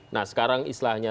nah sekarang islahnya